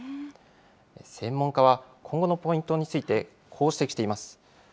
専門家は、今後のポイントについて、こう指摘しています。